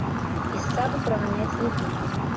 І з саду праганяць не будзем.